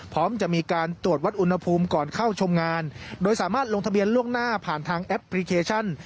พร้อมจะมีการตรวจวัดอุณหภูมิก่อนเข้าชมงานโดยสามารถลงทะเบียนล่วงหน้าผ่านทางแอปพลิเคชัน